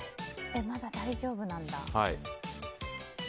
まだ大丈夫なんだ。